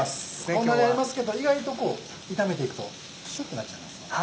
こんなにありますけど意外と炒めていくとシュってなっちゃいますので。